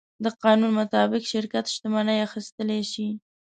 د قانون مطابق شرکت شتمنۍ اخیستلی شي.